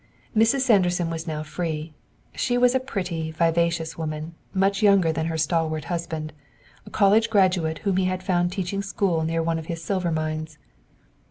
Mrs. Sanderson was now free. She was a pretty, vivacious woman, much younger than her stalwart husband, a college graduate whom he had found teaching school near one of his silver mines.